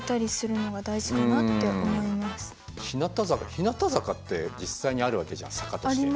日向坂って実際にあるわけじゃん坂として。